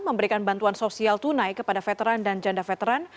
memberikan bantuan sosial tunai kepada veteran dan janda veteran